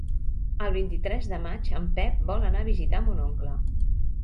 El vint-i-tres de maig en Pep vol anar a visitar mon oncle.